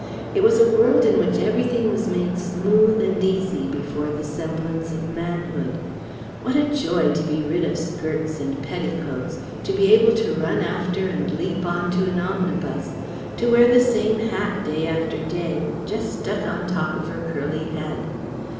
It was a world in which everything was made smooth and easy before the semblance of manhood. What a joy to be rid of skirts and petticoats! To be able to run after and leap on to an omnibus, to wear the same hat day after day just stuck on top of her curly head.